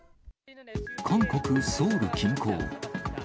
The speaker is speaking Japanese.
韓国・ソウル近郊。